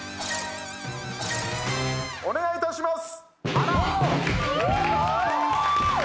お願いいたします。